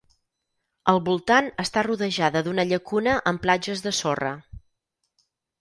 Al voltant està rodejada d'una llacuna amb platges de sorra.